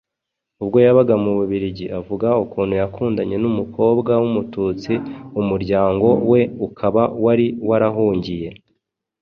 Ubwo yabaga mu Bubiligi, avuga ukuntu yakundanye n'umukobwa w'Umututsi, umuryango we ukaba wari warahungiye